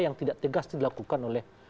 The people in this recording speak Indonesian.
yang tidak tegas dilakukan oleh